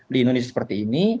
di indonesia seperti ini